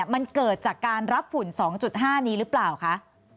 มันเกิดจากการรับฝุ่น๒๕นี้หรือเปล่าคะ